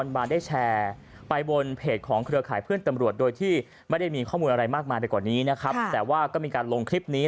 มันเป็นส่วนพวกที่คบกันหมดนะครับ